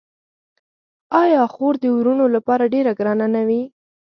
آیا خور د وروڼو لپاره ډیره ګرانه نه وي؟